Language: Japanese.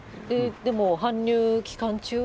でも、搬入期間中は？